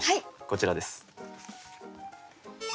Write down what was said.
こちらです。